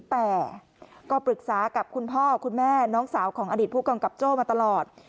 แต่ก็ปรึกษากับคุณพ่อคุณแม่น้องสาวของอดีตผู้กำกับโจ้มาตลอด